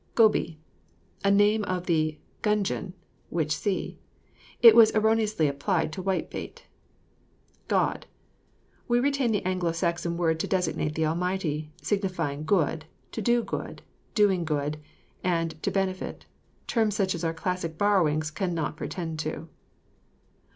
GOBY. A name of the gudgeon (which see). It was erroneously applied to white bait. GOD. We retain the Anglo Saxon word to designate the ALMIGHTY; signifying good, to do good, doing good, and to benefit; terms such as our classic borrowings cannot pretend to.